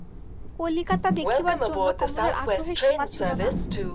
কলিকাতা দেখিবার জন্য কমলার আগ্রহের সীমা ছিল না।